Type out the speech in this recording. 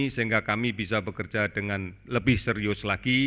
sehingga kami bisa bekerja dengan lebih serius lagi